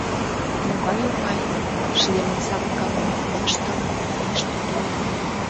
— Могай оҥай! — шлемым савыркален, нӧштылын, манеш тудо.